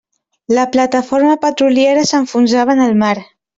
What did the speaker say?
La plataforma petroliera s'enfonsava en el mar.